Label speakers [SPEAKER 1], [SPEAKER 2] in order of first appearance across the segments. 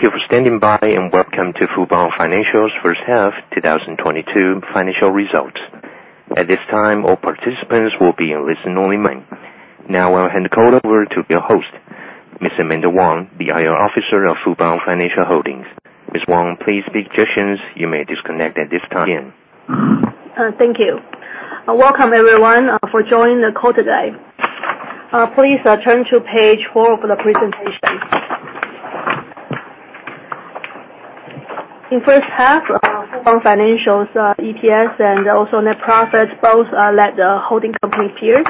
[SPEAKER 1] Thank you for standing by, welcome to Fubon Financial's first half 2022 financial results. At this time, all participants will be in listen-only mode. Now I will hand the call over to your host, Ms. Amanda Wang, the IR Officer of Fubon Financial Holdings. Ms. Wang, please speak. Participants, you may disconnect at this time.
[SPEAKER 2] Thank you. Welcome, everyone, for joining the call today. Please turn to page four of the presentation. In first half, Fubon Financial's EPS and net profits both led the holding company peers,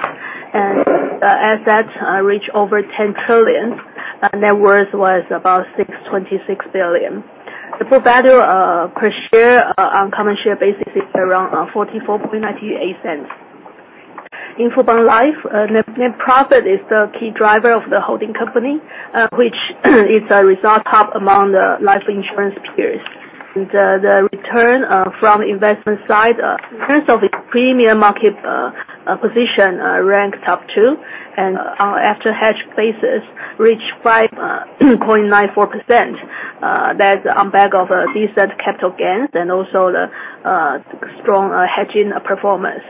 [SPEAKER 2] assets reached over 10 trillion. Net worth was about 626 billion. The book value per share on common share basis is around 0.4498. In Fubon Life, net profit is the key driver of the holding company, which is a result top among the life insurance peers. The return from investment side in terms of its premium market position ranked top two, and after hedge places, reached 5.94%. That's on back of decent capital gains and also the strong hedging performance.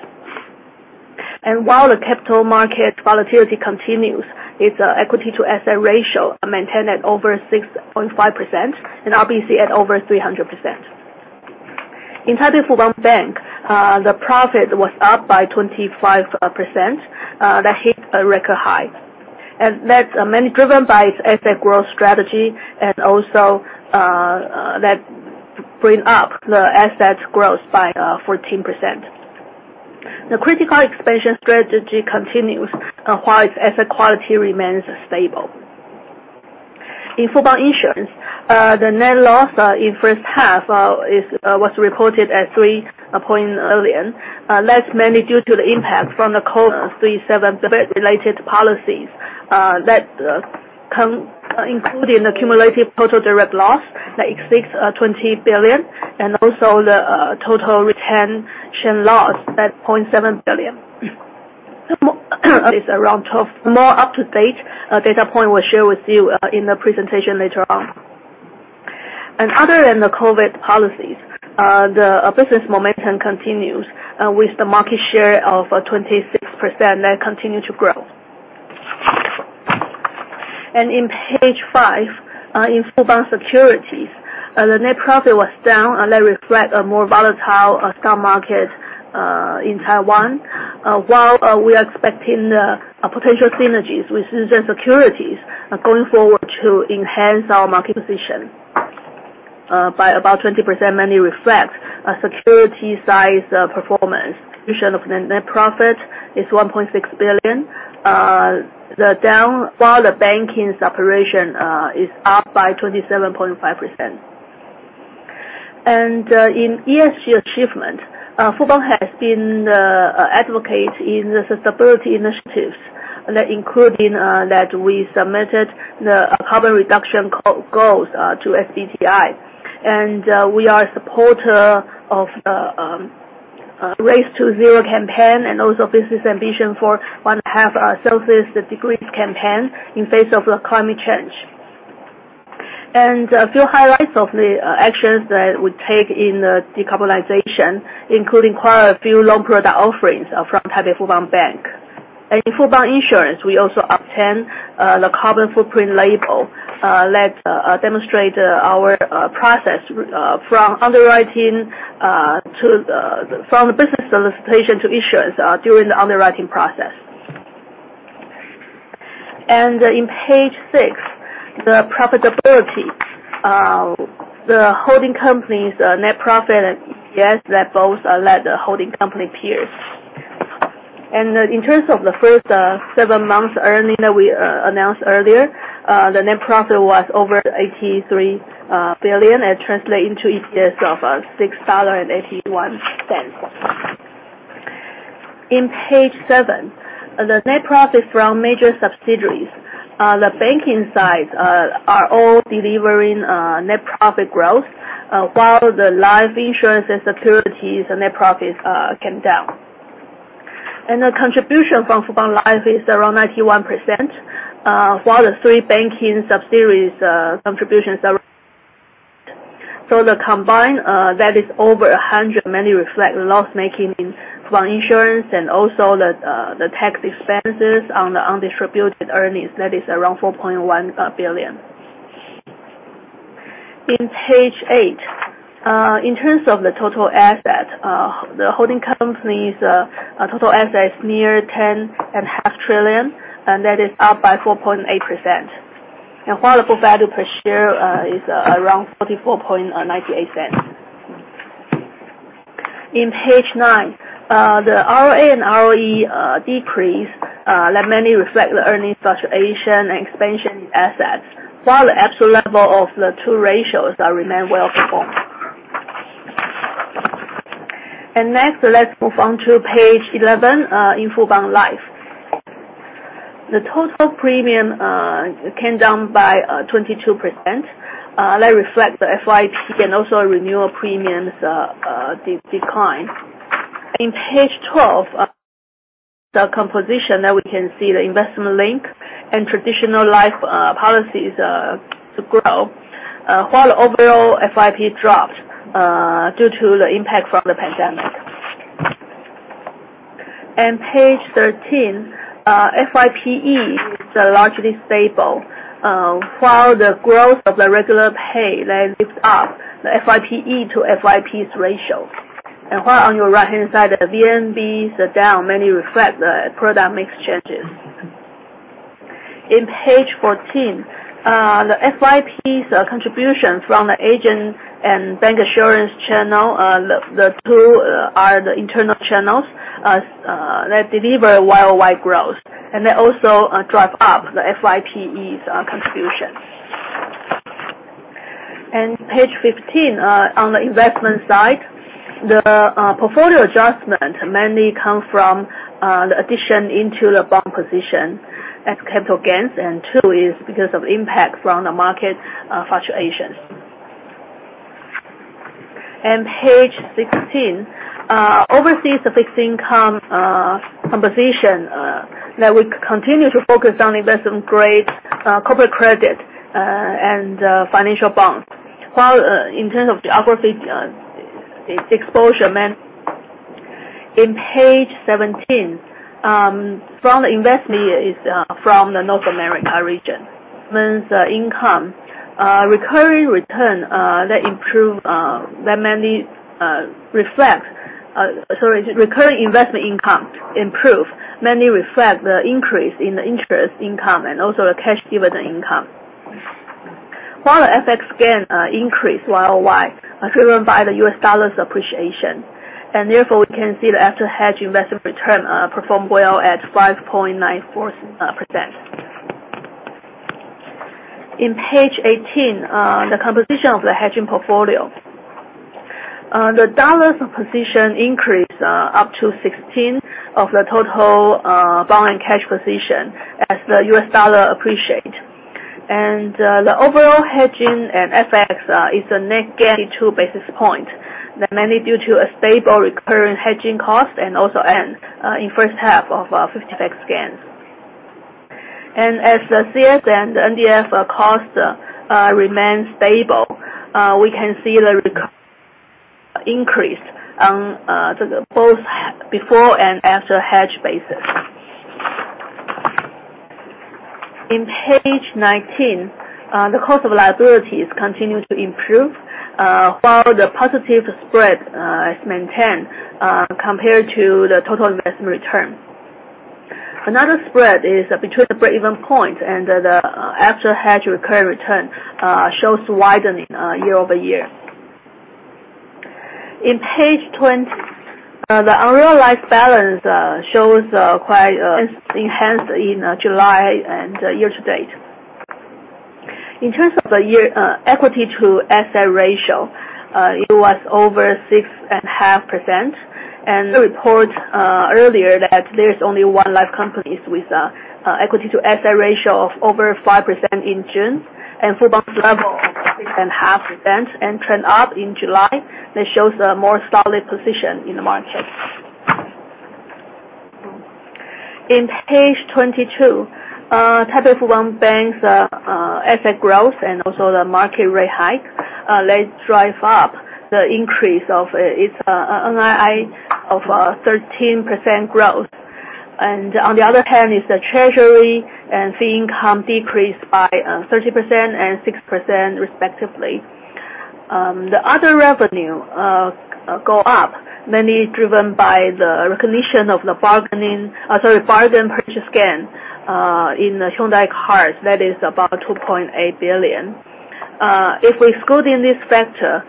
[SPEAKER 2] While the capital market volatility continues, its equity-to-asset ratio maintained at over 6.5%, and RBC at over 300%. In Taipei Fubon Bank, the profit was up by 25%. That hit a record high. That's mainly driven by its asset growth strategy, and also that bring up the asset growth by 14%. The critical expansion strategy continues while its asset quality remains stable. In Fubon Insurance, the net loss in the first half was reported at 3.8 billion. That's mainly due to the impact from the COVID-19 related policies that come including the cumulative total direct loss that exceeds 20 billion, and also the total retention loss at 0.7 billion. It's around 12. More up-to-date data point we'll share with you in the presentation later on. Other than the COVID policies, the business momentum continues, with the market share of 26% that continue to grow. In page five, in Fubon Securities, the net profit was down. That reflects a more volatile stock market in Taiwan, while we are expecting potential synergies with Jih Sun Securities going forward to enhance our market position by about 20%, mainly reflects security size performance. Vision of net profit is 1.6 billion, while the banking separation is up by 27.5%. In ESG achievement, Fubon has been the advocate in the sustainability initiatives, including that we submitted the carbon reduction goals to SBTi. We are a supporter of the Race to Zero campaign and also Business Ambition for 1.5°C campaign in face of the climate change. A few highlights of the actions that we take in the decarbonization, including quite a few loan product offerings from Taipei Fubon Bank. In Fubon Insurance, we also obtained the carbon footprint label that demonstrates our process from the business solicitation to issuance during the underwriting process. In page 6, the profitability. The holding company's net profit and EPS, both led the holding company peers. In terms of the first 7 months' earning that we announced earlier, the net profit was over 83 billion. It translates into EPS of 6.81 dollar. In page 7, the net profit from major subsidiaries. The banking sides all delivering net profit growth, while the life insurance and securities net profits came down. The contribution from Fubon Life is around 91%, while the three banking subsidiaries contributions. The combined, that is over 100%, mainly reflects loss-making in Fubon Insurance and also the tax expenses on the undistributed earnings. That is around 4.1 billion. In page 8, in terms of the total asset, the holding company's total asset is near 10.5 trillion, and that is up by 4.8%. While the book value per share is around 0.4498. In page 9, the ROA and ROE decrease. That mainly reflects the earnings fluctuation and expansion assets, while the absolute level of the two ratios remain well performed. Next, let's move on to page 11, in Fubon Life. The total premium came down by 22%. That reflects the FYP and also renewal premiums' decline. In page 12, the composition we can see, the investment-linked and traditional life policies grow, while overall FYP dropped due to the impact from the pandemic. Page 13, FYPE is largely stable, while the growth of the regular pay lifts up the FYPE to FYP ratio. While on your right-hand side, the VNBs are down, mainly reflects the product mix changes. In page 14, the FYP contribution from the agent and bank insurance channel, the two are the internal channels that deliver YOY growth, and they also drive up the FYPE contribution. Page 15, on the investment side, the portfolio adjustment mainly comes from the addition into the bond position as capital gains, and 2 is because of impact from the market fluctuations. Page 16, overseas fixed income composition we continue to focus on investment grade corporate credit and financial bonds, while in terms of geography, exposure remains. In page 17, from the investment is from the North America region. Recurring investment income improved mainly reflects the increase in the interest income and also the cash dividend income. While the FX gain increased YOY, driven by the U.S. dollar appreciation, and therefore, we can see the after-hedge investment return performed well at 5.94%. In page 18, the composition of the hedging portfolio. The dollar position increased up to 16% of the total bond and cash position as the U.S. dollar appreciated. The overall hedging and FX is a net gain of 2 basis points. It is mainly due to a stable recurring hedging cost and also in first half of 50 FX gains. As the CS and NDF costs remain stable, we can see the recurring increase on both before and after-hedge basis. In page 19, the cost of liabilities continues to improve while the positive spread is maintained compared to the total investment return. Another spread, between the break-even point and the after-hedge recurring return, shows widening year-over-year. In page 20, the unrealized balance shows quite enhanced in July and year-to-date. In terms of the year equity to asset ratio, it was over 6.5%, and the report earlier that there's only one life companies with equity to asset ratio of over 5% in June, and Fubon's level of 6.5% and trend up in July. That shows a more solid position in the market. In page 22, Taipei Fubon Bank's asset growth and also the market rate hike lets drive up the increase of its NII of 13% growth. On the other hand, the treasury and fee income decreased by 30% and 6% respectively. The other revenue go up, mainly driven by the recognition of the bargain purchase gain in the Hyundai Card that is about 2.8 billion. If we exclude in this factor,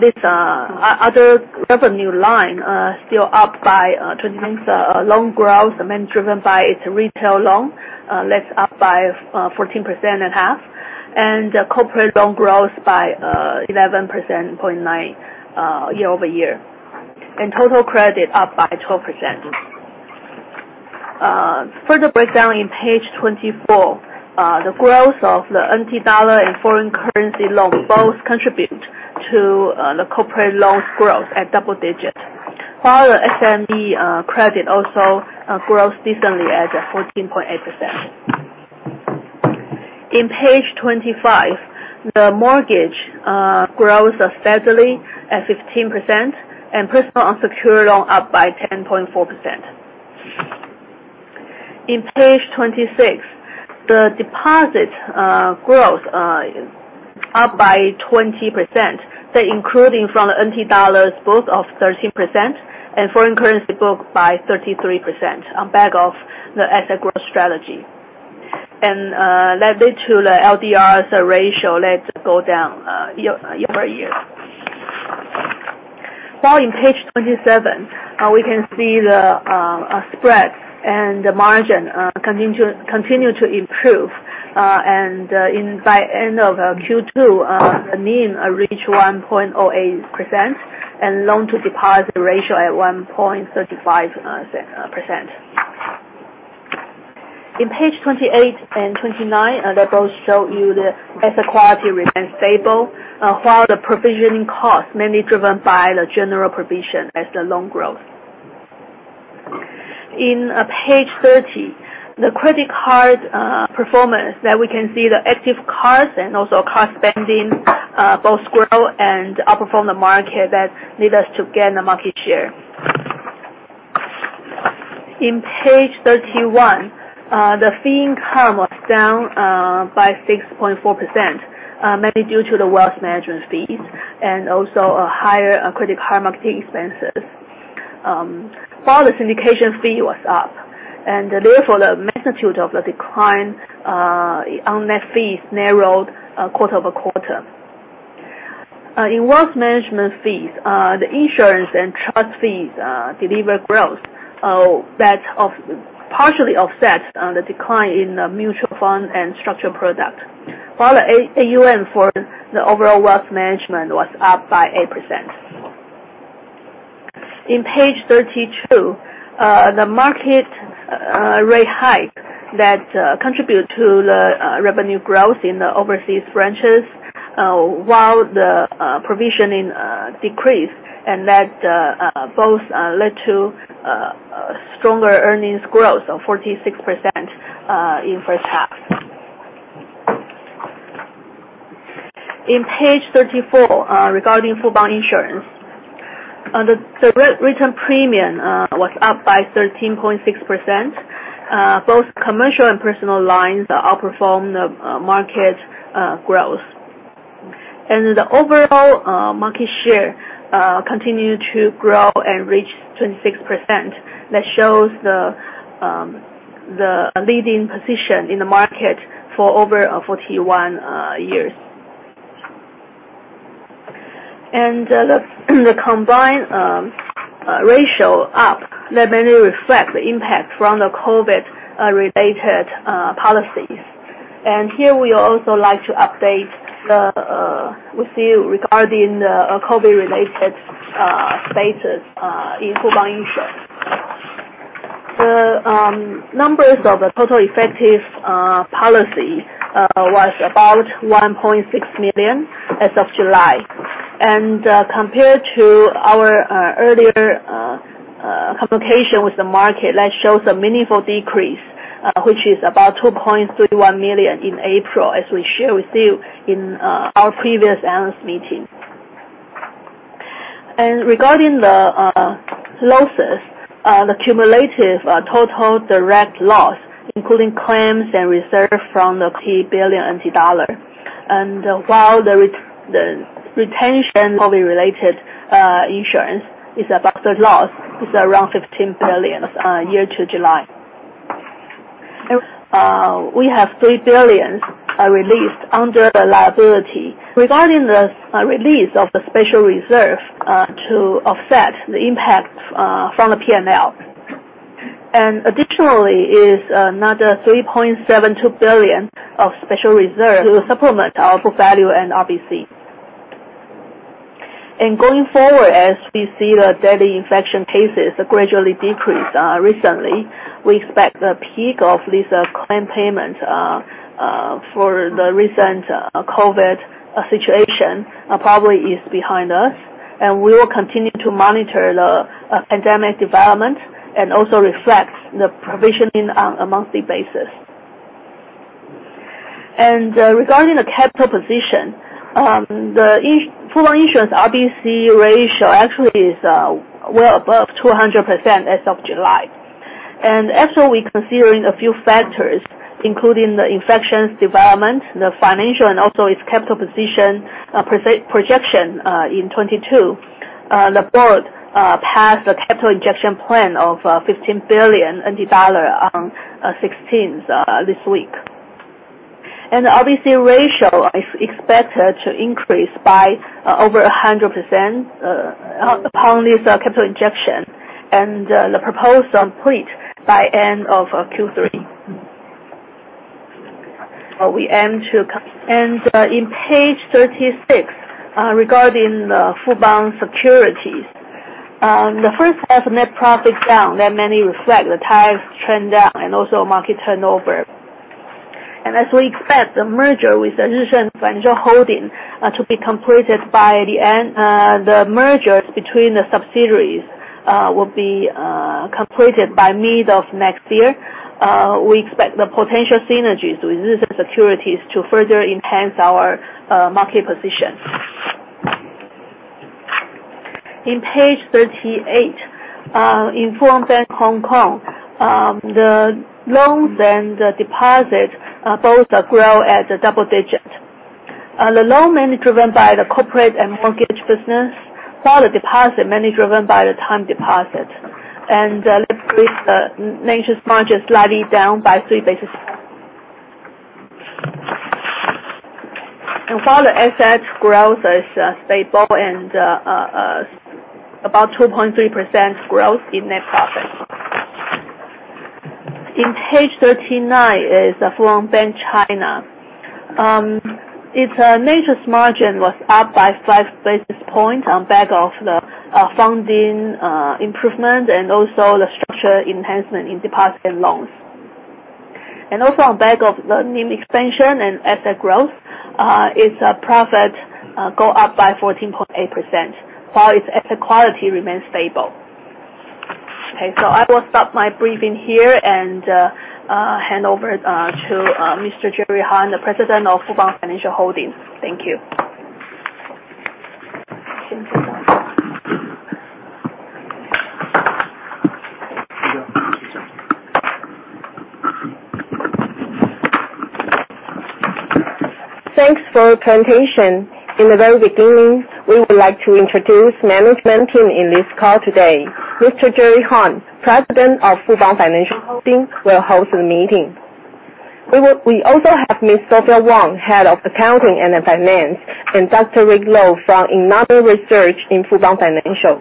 [SPEAKER 2] this other revenue line still up by 20%. Loan growth, mainly driven by its retail loan, that's up by 14.5%. Corporate loan growth by 11.9% year-over-year. Total credit up by 12%. Further breakdown in page 24, the growth of the NT dollar and foreign currency loan both contribute to the corporate loans growth at double digit, while the SMB credit also grows decently at 14.8%. In page 25, the mortgage grows steadily at 15%, and personal unsecured loan up by 10.4%. In page 26, the deposit growth up by 20%, that including from the NT dollars, both of 13%, and foreign currency book by 33% on back of the asset growth strategy. That lead to the LDRs ratio let go down year-over-year. While in page 27, we can see the spread and the margin continue to improve. By end of Q2, NIM reach 1.08%, and loan to deposit ratio at 1.35%. In page 28 and 29, they both show you the asset quality remains stable, while the provisioning cost mainly driven by the general provision as the loan growth. In page 30, the credit card performance that we can see the active cards and also card spending both grow and outperform the market that lead us to gain the market share. In page 31, the fee income was down by 6.4%, mainly due to the wealth management fees and also higher credit card marketing expenses, while the syndication fee was up, and therefore the magnitude of the decline on net fees narrowed quarter-over-quarter. In wealth management fees, the insurance and trust fees delivered growth that partially offsets the decline in the mutual fund and structured product. While the AUM for the overall wealth management was up by 8%. In page 32, the market rate hike that contribute to the revenue growth in the overseas branches, while the provisioning decreased and both led to stronger earnings growth of 46% in first half. In page 34, regarding Fubon Insurance, the written premium was up by 13.6%. Both commercial and personal lines outperformed the market growth. The overall market share continued to grow and reach 26%. That shows the leading position in the market for over 41 years. The combined ratio up, that mainly reflects the impact from the COVID-related policies. Here, we also like to update with you regarding the COVID-related status in Fubon Insurance. The numbers of the total effective policy was about 1.6 million as of July. Compared to our earlier communication with the market, that shows a meaningful decrease, which is about 2.31 million in April, as we shared with you in our previous analyst meeting. Regarding the losses, the cumulative total direct loss, including claims and reserve from the pre-billion TWD. While the retention COVID-related insurance is about third loss, is around 15 billion year to July. We have 3 billion released under the liability. Regarding the release of the special reserve to offset the impact from the P&L. Additionally is another 3.72 billion of special reserve to supplement our book value and RBC. Going forward, as we see the daily infection cases gradually decrease recently, we expect the peak of these claim payments for the recent COVID situation probably is behind us, and we will continue to monitor the pandemic development and also reflects the provisioning on a monthly basis. Regarding the capital position, the Fubon Insurance RBC ratio actually is well above 200% as of July. After reconsidering a few factors, including the infections development, the financial, and also its capital position projection in 2022, the board passed a capital injection plan of 15 billion NT dollar on 16th this week. The RBC ratio is expected to increase by over 100% upon this capital injection and the proposed complete by end of Q3. In page 36, regarding the Fubon Securities. The first half net profit down, that mainly reflect the tides trend down and also market turnover. As we expect the merger with Jih Sun Financial Holding to be completed, the mergers between the subsidiaries will be completed by mid of next year. We expect the potential synergies with Jih Sun Securities to further enhance our market position. In page 38, in Fubon Bank Hong Kong, the loans and the deposits both grow at a double-digit. The loan mainly driven by the corporate and mortgage business, while the deposit mainly driven by the time deposit. Net interest margin slightly down by 3 basis. While the asset growth is stable and about 2.3% growth in net profit. In page 39 is Fubon Bank China. Its net interest margin was up by 5 basis points on the back of the funding improvement and also the structure enhancement in deposit and loans. Also on back of the NIM expansion and asset growth, its profit go up by 14.8%, while its asset quality remains stable. Okay. I will stop my briefing here and hand over to Mr. Jerry Harn, the president of Fubon Financial Holdings. Thank you.
[SPEAKER 3] Thanks for your presentation. In the very beginning, we would like to introduce management team in this call today. Mr. Jerry Harn, President of Fubon Financial Holdings, will host the meeting. We also have Ms. Sophia Wang, Head of Accounting and Finance, and Dr. Rick Lo from Internal Audit Research in Fubon Financial.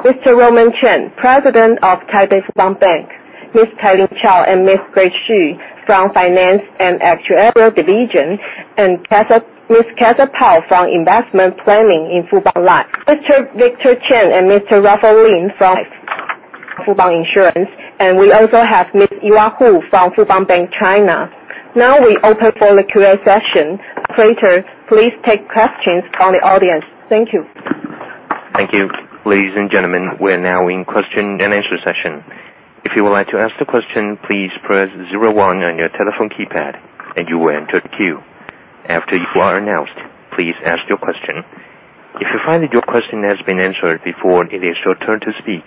[SPEAKER 3] Mr. Roman Cheng, President of Taipei Fubon Bank, Ms. Kai Ling Chao and Ms. Grace Shu from Finance and Actuarial Division, and Ms. Cather Pao from Investment Planning in Fubon Life. Mr. Victor Chen and Mr. Rafael Lin from Fubon Insurance, and we also have Ms. Iwa Hu from Fubon Bank China. Now we open for the Q&A session. Operator, please take questions from the audience. Thank you.
[SPEAKER 1] Thank you. Ladies and gentlemen, we are now in question and answer session. If you would like to ask the question, please press zero one on your telephone keypad and you will enter the queue. After you are announced, please ask your question. If you find that your question has been answered before it is your turn to speak,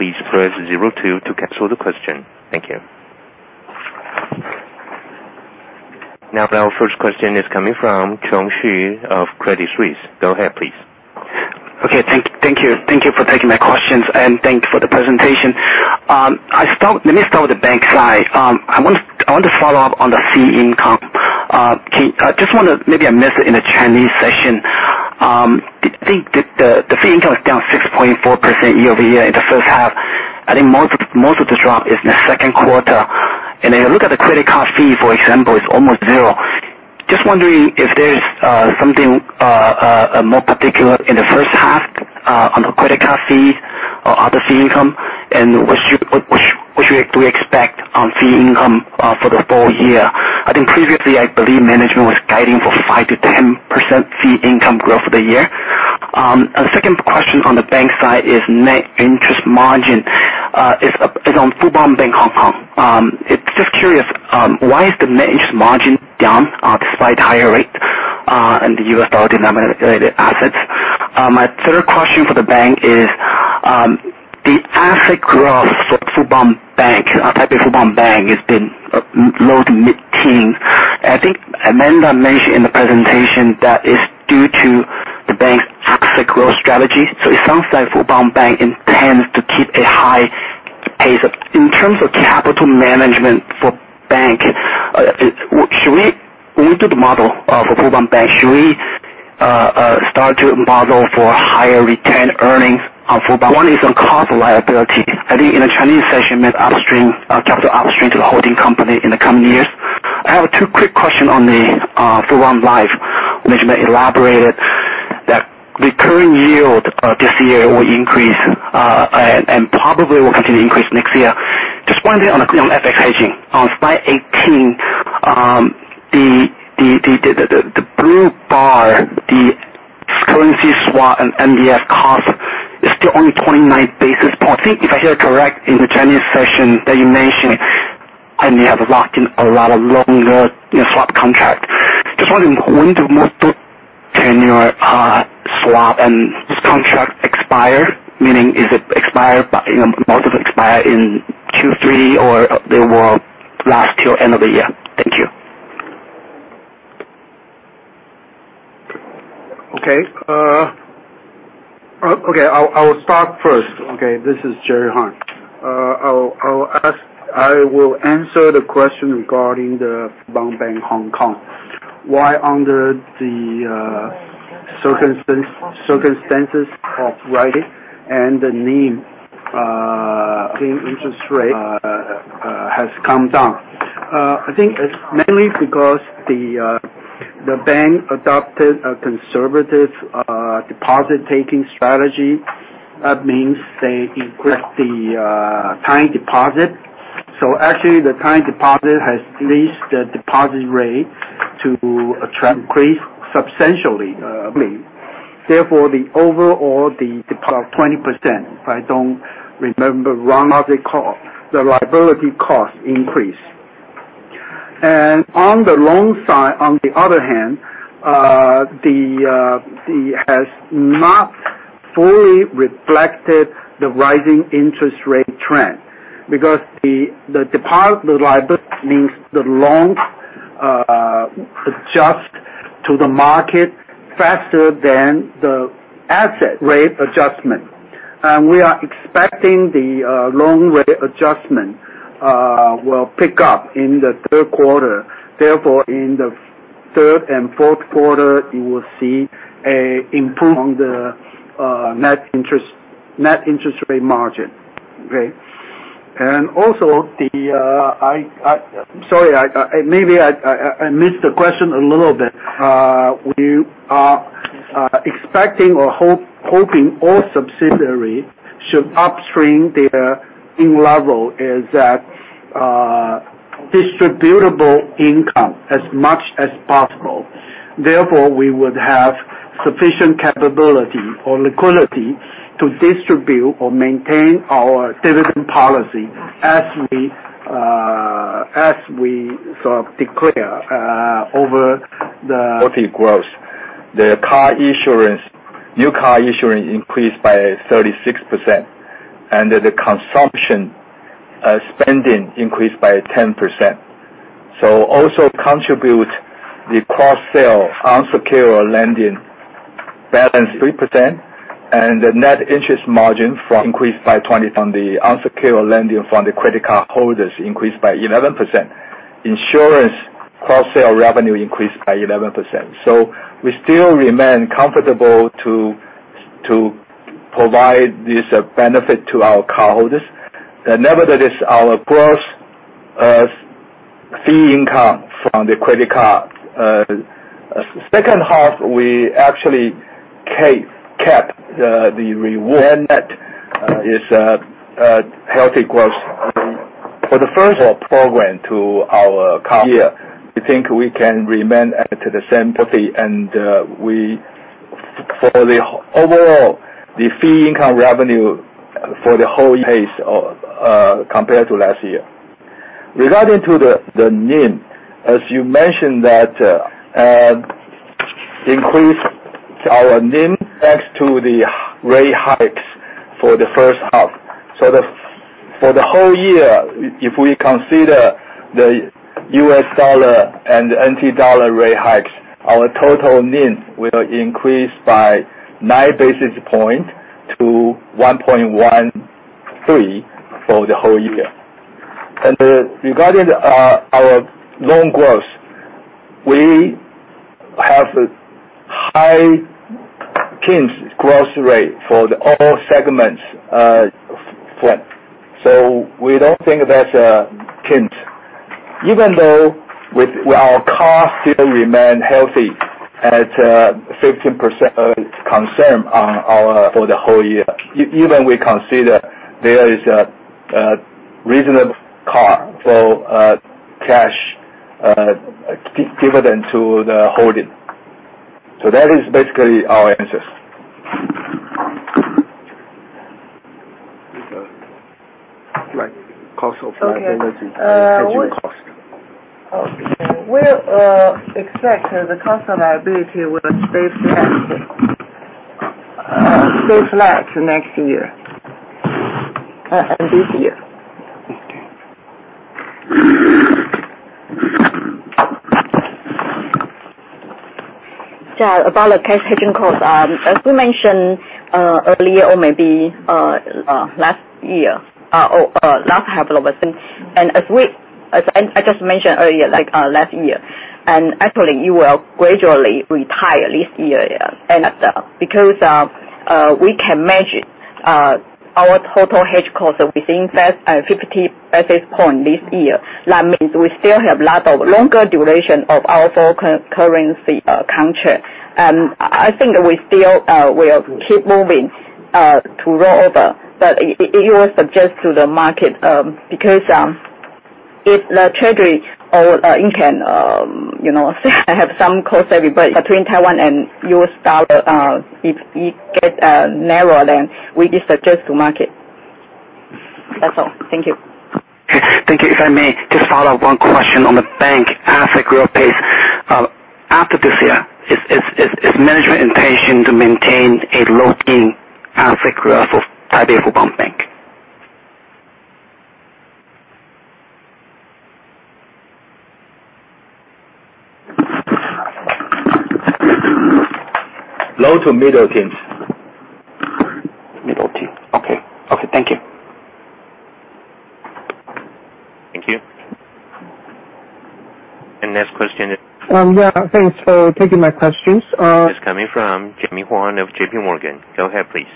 [SPEAKER 1] please press zero two to cancel the question. Thank you. Now, our first question is coming from Chung Hsu of Credit Suisse. Go ahead, please.
[SPEAKER 4] Okay. Thank you. Thank you for taking my questions and thank you for the presentation. Let me start with the bank slide. I want to follow up on the fee income. Maybe I missed it in the Chinese session. The fee income is down 6.4% year-over-year in the first half. I think most of the drop is in the second quarter. And if you look at the credit card fee, for example, it's almost zero. Just wondering if there's something more particular in the first half on the credit card fees or other fee income, and what we expect on fee income for the full year. I think previously, I believe management was guiding for 5%-10% fee income growth for the year. Second question on the bank side is net interest margin. It's on Fubon Bank Hong Kong. Just curious, why is the net interest margin down despite higher rates in the US dollar denominated assets? My third question for the bank is the asset growth for Taipei Fubon Bank has been low to mid-teens. I think Amanda Wang mentioned in the presentation that it's due to the bank's success growth strategy. It sounds like Fubon Bank intends to keep a high pace. In terms of capital management for bank, when we do the model for Fubon Bank, should we start to model for higher retained earnings on Fubon? One is on cost liability. I think in the Chinese session, you meant upstream, capital upstream to the holding company in the coming years. I have two quick questions on the Fubon Life. Management elaborated that the current yield this year will increase and probably will continue to increase next year. Just wondering on FX hedging. On slide 18, the blue bar, the currency swap and NDF cost is still only 29 basis points. I think if I hear correct in the Chinese session that you mentioned, you have locked in a lot of longer swap contracts. Just wondering when do most of tenure swap and this contract expire, meaning most of it expire in Q3 or they will last till end of the year? Thank you.
[SPEAKER 5] Okay. I will start first. This is Jerry Harn. I will answer the question regarding the Fubon Bank Hong Kong. Why under the circumstances of rising and the NIM interest rate has come down. I think it is mainly because the bank adopted a conservative deposit-taking strategy. That means they increased the time deposit. Actually, the time deposit has increased the deposit rate to increase substantially. The overall, the deposit 20%, if I don't remember wrong, the liability cost increased. On the loan side, on the other hand, it has not fully reflected the rising interest rate trend because the deposit, the liability means the loans adjust to the market faster than the asset rate adjustment. We are expecting the loan rate adjustment will pick up in the third quarter. In the third and fourth quarter, you will see an improvement on the net interest rate margin. Okay. Also, maybe I missed the question a little bit. We are expecting or hoping all subsidiaries should upstream their distributable income as much as possible. We would have sufficient capability or liquidity to distribute or maintain our dividend policy as we declare. Growth. The new car insurance increased by 36%, the consumption spending increased by 10%. Also contribute the cross-sale unsecured lending balance 3%, the net interest margin increased by 20% on the unsecured lending from the credit card holders increased by 11%. Insurance cross-sale revenue increased by 11%. We still remain comfortable to provide this benefit to our cardholders. Nevertheless, our gross fee income from the credit card. Second half, we actually kept the reward. Net is a healthy growth. For the first. Program to our card. Year, we think we can remain at the same profit, and for the overall, the fee income revenue for the whole year. Pace compared to last year. Regarding to the NIM, as you mentioned that increased our NIM thanks to the rate hikes for the first half. For the whole year, if we consider the US dollar and NT dollar rate hikes, our total NIM will increase by 9 basis points to 1.13 for the whole year. Regarding our loan growth, we have a high growth rate for all segments front. We don't think that's a hint. Even though our cost still remain healthy at 15% concern on our for the whole year. Even we consider there is a reasonable car for cash dividend to the holding. That is basically our answers. Right. Cost of liability.
[SPEAKER 6] Okay. We expect the cost of liability will stay flat next year and this year.
[SPEAKER 5] Okay.
[SPEAKER 6] About the cash hedging cost, as we mentioned earlier or maybe last year, or last half of the thing, and I just mentioned earlier, last year. Actually, you will gradually retire this year. Because we can manage our total hedge cost within 50 basis points this year, that means we still have lot of longer duration of our foreign currency contract. I think we still will keep moving to roll over. It will suggest to the market, because if the treasury or income, have some cost disparity between Taiwan and US dollar, if it get narrower, we suggest to market. That's all. Thank you.
[SPEAKER 4] Thank you. If I may just follow one question on the bank asset growth pace. After this year, is management intention to maintain a low NIM asset growth of Taipei Fubon Bank?
[SPEAKER 5] Low to middle teens.
[SPEAKER 4] Middle teen. Okay. Thank you.
[SPEAKER 1] Thank you. Next question.
[SPEAKER 7] Yeah. Thanks for taking my questions.
[SPEAKER 1] It's coming from Jimmy Huang of JPMorgan. Go ahead, please.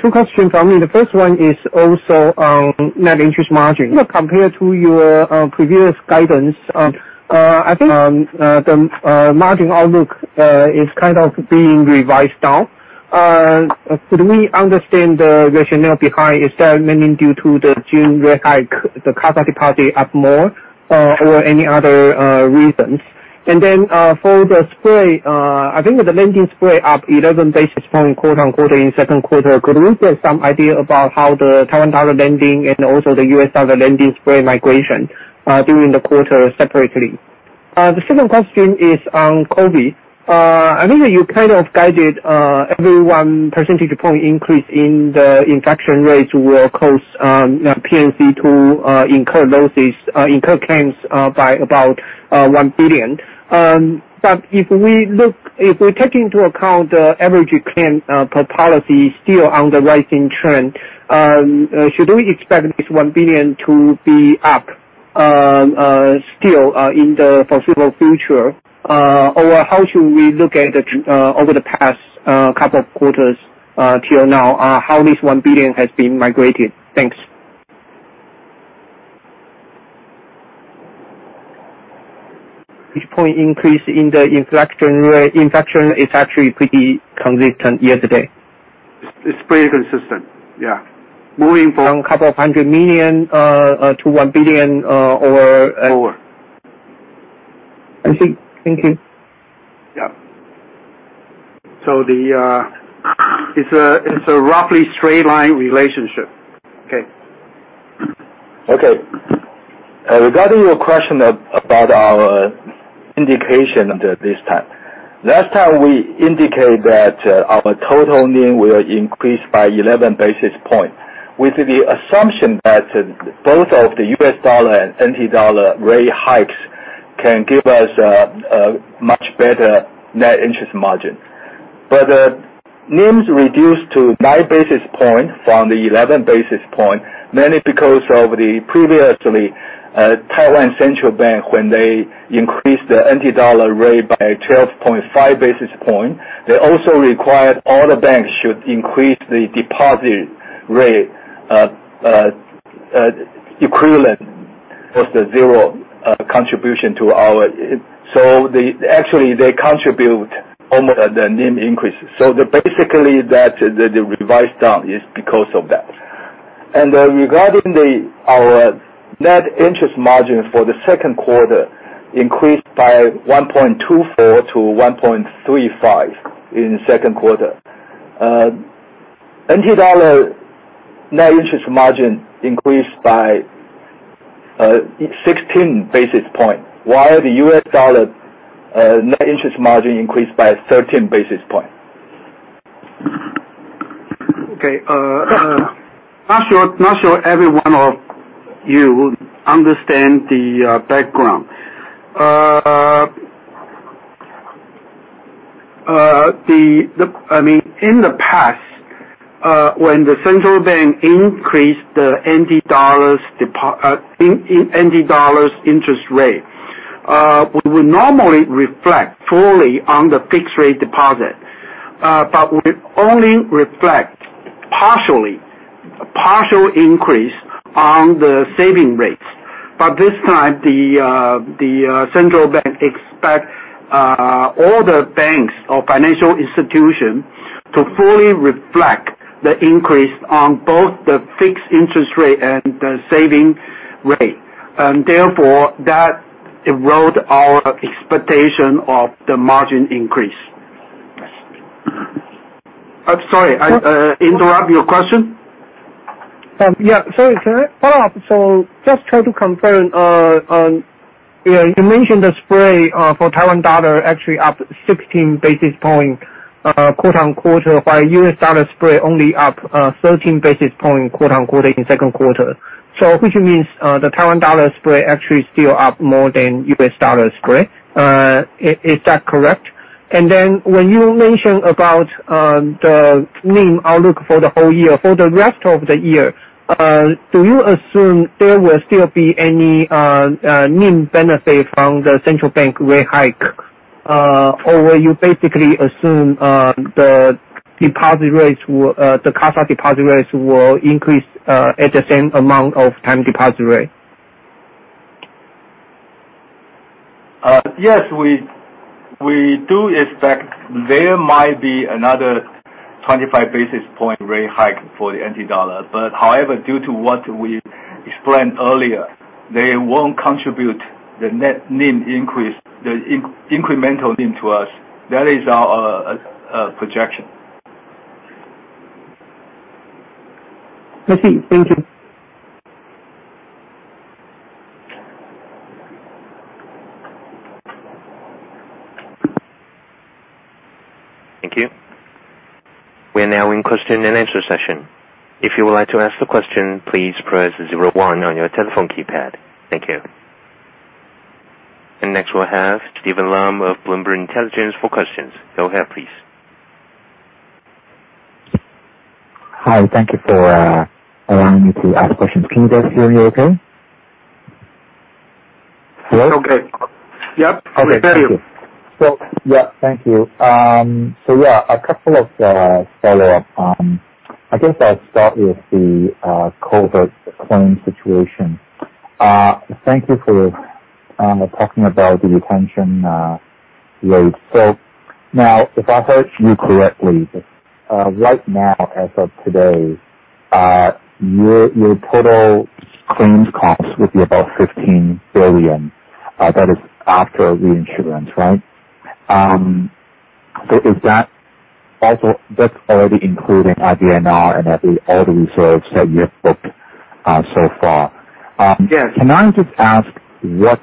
[SPEAKER 7] Two questions from me. The first one is also on net interest margin. Compared to your previous guidance, I think the margin outlook is kind of being revised down. Could we understand the rationale behind, is that mainly due to the June rate hike? The cost of deposit up more, or any other reasons? For the spread, I think the lending spread up 11 basis point quarter-on-quarter in second quarter. Could we get some idea about how the Taiwan dollar lending and also the US dollar lending spread migration during the quarter separately? The second question is on COVID. I think that you kind of guided every one percentage point increase in the infection rates will cause P&C to incur losses, incur claims by about 1 billion. If we take into account the average claim per policy still on the rising trend, should we expect this 1 billion to be up still in the foreseeable future? How should we look at it over the past couple of quarters till now, how this 1 billion has been migrated? Thanks. Each point increase in the infection is actually pretty consistent yesterday.
[SPEAKER 5] It's pretty consistent, yeah.
[SPEAKER 7] From a couple of hundred million to 1 billion.
[SPEAKER 5] Over.
[SPEAKER 7] I see. Thank you.
[SPEAKER 5] It's a roughly straight line relationship. Okay. Regarding your question about our indication at this time. Last time we indicated that our total NIM will increase by 11 basis points with the assumption that both of the US dollar and NT dollar rate hikes can give us a much better net interest margin. NIMs reduced to nine basis points from the 11 basis points, mainly because previously, Taiwan Central Bank, when they increased the NT dollar rate by 12.5 basis points, they also required all the banks should increase the deposit rate equivalent. Actually, they contribute almost the NIM increases. Basically that revised down is because of that. Regarding our net interest margin for the second quarter, increased by 1.24%-1.35% in the second quarter. NT dollar net interest margin increased by 16 basis points, while the US dollar net interest margin increased by 13 basis points. Okay. Not sure everyone of you will understand the background. In the past, when the Central Bank increased the NT dollars interest rate, we would normally reflect fully on the fixed rate deposit. We only reflect partial increase on the saving rates. This time, the Central Bank expect all the banks or financial institutions to fully reflect the increase on both the fixed interest rate and the saving rate. Therefore, that erode our expectation of the margin increase. I'm sorry, I interrupt your question?
[SPEAKER 7] Just try to confirm on, you mentioned the spread for NT dollar actually up 16 basis points quarter-on-quarter, while US dollar spread only up 13 basis points quarter-on-quarter in the second quarter. Which means the NT dollar spread actually still up more than US dollar spread. Is that correct? When you mention about the NIM outlook for the whole year, for the rest of the year, do you assume there will still be any NIM benefit from the Central Bank rate hike? Or will you basically assume the CASA deposit rates will increase at the same amount of time deposit rate?
[SPEAKER 5] Yes, we do expect there might be another 25 basis point rate hike for the NT dollar. However, due to what we explained earlier, they won't contribute the net NIM increase, the incremental NIM to us. That is our projection.
[SPEAKER 7] I see. Thank you.
[SPEAKER 1] Thank you. We are now in question and answer session. If you would like to ask the question, please press 01 on your telephone keypad. Thank you. Next we'll have Stephen Lam of Bloomberg Intelligence for questions. Go ahead, please.
[SPEAKER 8] Hi, thank you for allowing me to ask questions. Can you guys hear me okay?
[SPEAKER 5] Okay. Yep. We can hear you.
[SPEAKER 8] Okay, thank you. Thank you. A couple of follow-up. I guess I'll start with the COVID claim situation. Thank you for talking about the retention rate. If I heard you correctly, right now as of today, your total claims cost will be about 15 billion. That is after reinsurance, right?
[SPEAKER 5] Yes.
[SPEAKER 8] That's already including IBNR and every other reserves that you have booked so far.
[SPEAKER 5] Yes.
[SPEAKER 8] Can I just ask what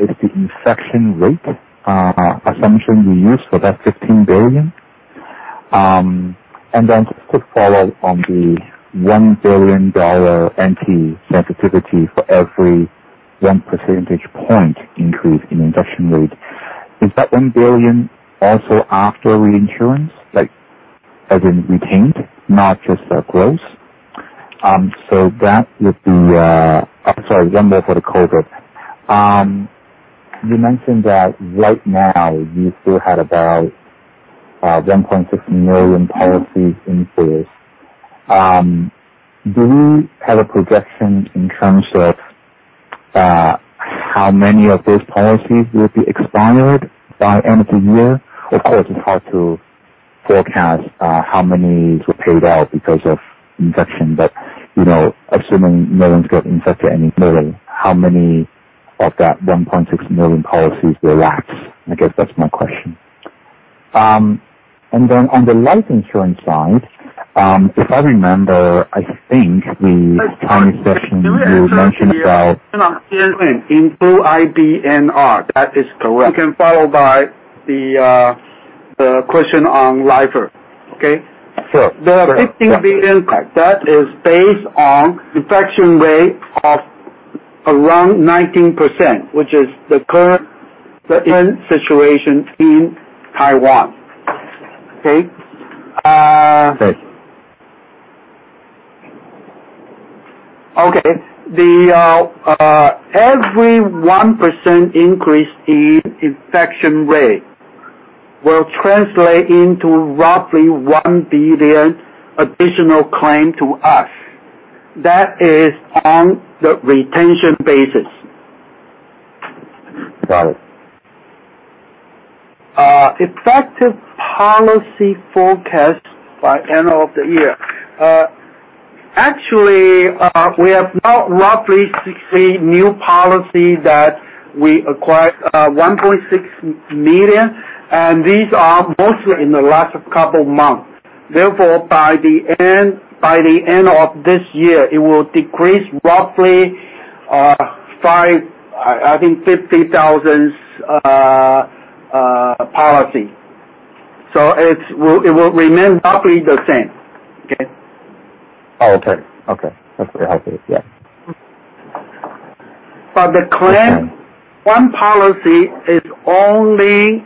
[SPEAKER 8] is the infection rate assumption you used for that 15 billion? Just a quick follow on the 1 billion dollar NT sensitivity for every 1 percentage point increase in infection rate. Is that 1 billion also after reinsurance? As in retained, not just the growth. I am sorry, 1 more for the COVID. You mentioned that right now you still had about 1.6 million policies in force. Do you have a projection in terms of how many of those policies will be expired by end of the year? Of course, it is hard to forecast how many were paid out because of infection. Assuming no one's got infected anymore, how many of that 1.6 million policies will lapse? I guess that's my question. On the life insurance side, if I remember, I think the earnings session you mentioned about-
[SPEAKER 5] Let's start. Let me answer the question on VNB in full IBNR. That is correct. We can follow by the question on life insurance. Okay?
[SPEAKER 8] Sure.
[SPEAKER 5] The 15 billion claim, that is based on infection rate of around 19%, which is the current situation in Taiwan. Okay?
[SPEAKER 8] Okay.
[SPEAKER 5] Okay. Every 1% increase in infection rate will translate into roughly 1 billion additional claim to us. That is on the retention basis.
[SPEAKER 8] Got it.
[SPEAKER 5] Effective policy forecast by end of the year. Actually, we have now roughly 60 new policies that we acquired, 1.6 million, and these are mostly in the last couple of months. Therefore, by the end of this year, it will decrease roughly, I think 50,000 policies. It will remain roughly the same. Okay?
[SPEAKER 8] Okay. That's what I think. Yeah.
[SPEAKER 5] For the claim, one policy is only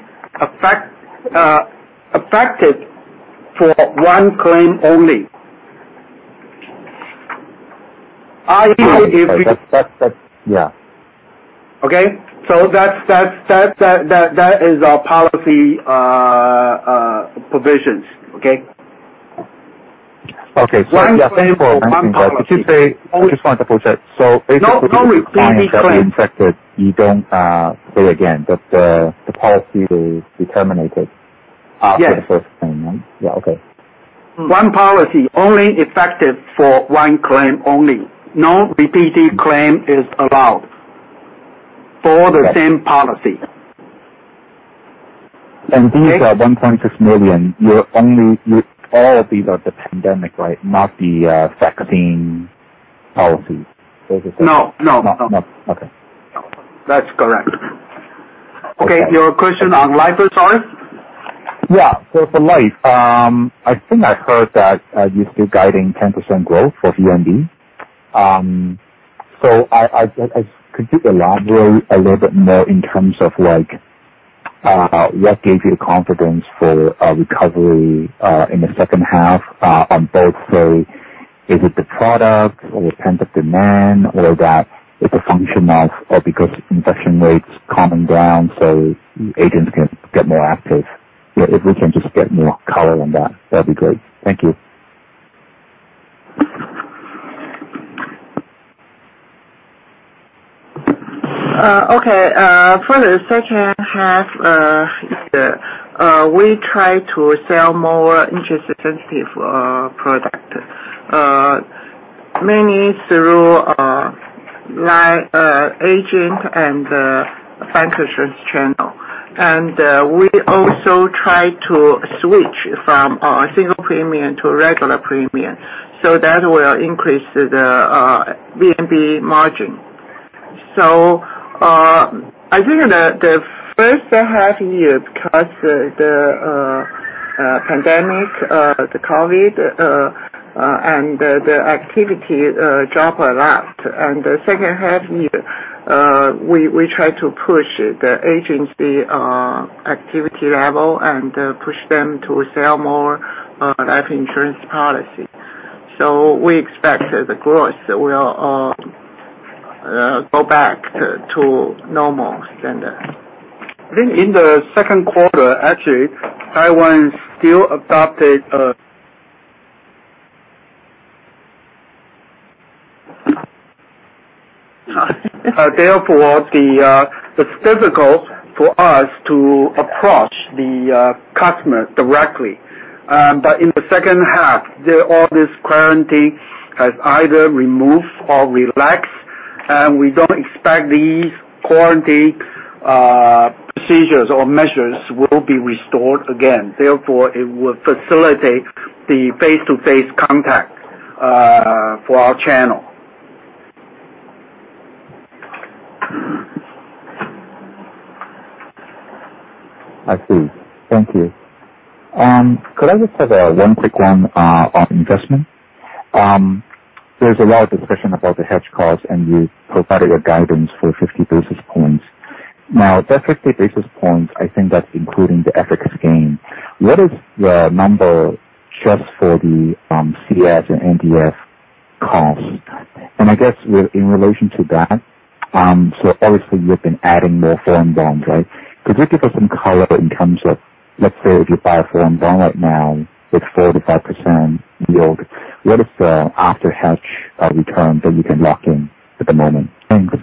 [SPEAKER 5] affected for one claim only.
[SPEAKER 8] That's Yeah.
[SPEAKER 5] Okay? That is our policy provisions. Okay?
[SPEAKER 8] Okay. Yeah, thank you for explaining that. Just one to double check.
[SPEAKER 5] No repeat claim.
[SPEAKER 8] clients that were infected, you don't pay again. That the policy will be terminated-
[SPEAKER 5] Yes
[SPEAKER 8] after the first claim. Yeah. Okay.
[SPEAKER 5] One policy only effective for one claim only. No repeated claim is allowed for the same policy.
[SPEAKER 8] These are 1.6 million. All of these are the pandemic, right? Not the vaccine policies. Is that correct?
[SPEAKER 5] No.
[SPEAKER 8] Okay.
[SPEAKER 5] That's correct. Okay. Your question on life insurance?
[SPEAKER 8] Yeah. For life, I think I heard that you're still guiding 10% growth for VNB. Could you elaborate a little bit more in terms of what gave you the confidence for a recovery in the second half, on both, say, is it the product or pent-up demand or that it's a function of, because infection rates calming down, so agents can get more active? If we can just get more color on that'd be great. Thank you.
[SPEAKER 9] Okay. For the second half year, we try to sell more interest-sensitive product. Mainly through our agent and bank insurance channel. We also try to switch from our single premium to regular premium. That will increase the VNB margin. I think the first half year, because the pandemic, the COVID-19, and the activity dropped a lot. The second half year, we try to push the agency activity level and push them to sell more life insurance policy. We expect the growth will go back to normal standard.
[SPEAKER 5] I think in the second quarter, actually, it's difficult for us to approach the customer directly. In the second half, all this quarantine has either removed or relaxed. We don't expect these quarantine procedures or measures will be restored again. It will facilitate the face-to-face contact for our channel.
[SPEAKER 8] I see. Thank you. Could I just have one quick one on investment? There's a lot of discussion about the hedge costs, and you provided a guidance for 50 basis points. The 50 basis points, I think that's including the FX gain. What is the number just for the CS and NDF costs? I guess in relation to that, obviously you've been adding more foreign bonds, right? Could you give us some color in terms of, let's say if you buy a foreign bond right now, it's 45% yield. What is the after-hedge return that you can lock in at the moment? Thanks.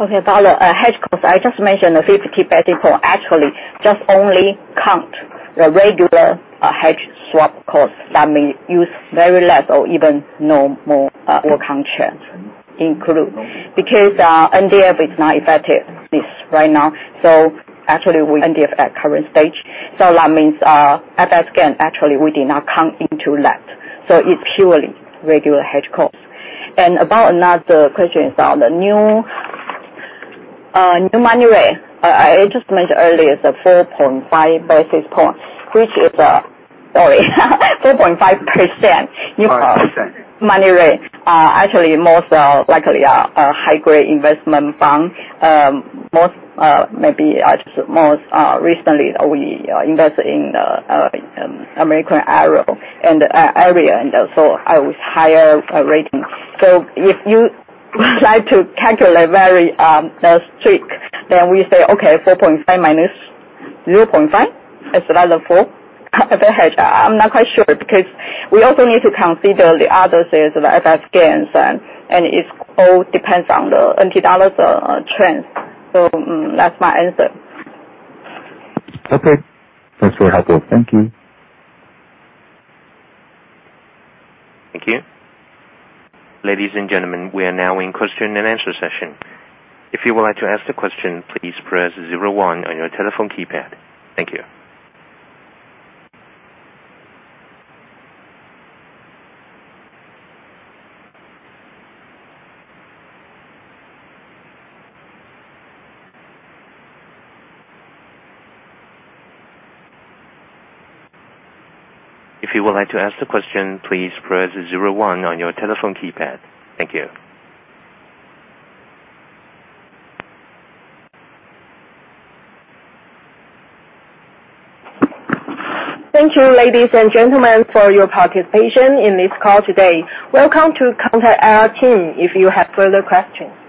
[SPEAKER 6] Okay. About the hedge costs, I just mentioned the 50 basis points actually just only count the regular hedge swap cost that may use very less or even no more will contract include. NDF is not effective right now at current stage. That means, FX gain, actually, we did not count into that. It's purely regular hedge costs. About another question about the new money rate. I just mentioned earlier, it's 4.5 basis points, sorry, 4.5%-
[SPEAKER 8] 4.5%
[SPEAKER 6] new money rate. Actually, most likely a high-grade investment fund. Most recently, we invest in the American area, and so it was higher rating. If you like to calculate very strict, then we say, okay, 4.5 minus 0.5 is less than four. The hedge, I'm not quite sure because we also need to consider the other sales of FX gains and it all depends on the NT dollar trend. That's my answer.
[SPEAKER 8] Okay. Thanks for your help. Thank you.
[SPEAKER 1] Thank you. Ladies and gentlemen, we are now in question and answer session. If you would like to ask the question, please press zero one on your telephone keypad. Thank you. If you would like to ask the question, please press zero one on your telephone keypad. Thank you.
[SPEAKER 2] Thank you, ladies and gentlemen, for your participation in this call today. Welcome to contact our team if you have further questions.